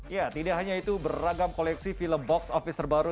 ya tidak hanya itu beragam koleksi film box office terbaru